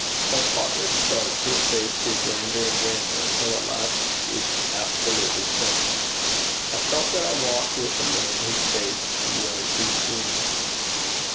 While Falconer spoke, his face grew grander and grander, till at last it absolutely shone. I felt that I walked with a man whose faith was his genius.